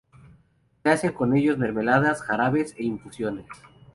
Se hacen con ellos mermeladas, jarabes e infusiones.